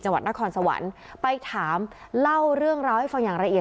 วัดนครสวรรค์ไปถามเล่าเรื่องราวให้ฟังอย่างละเอียด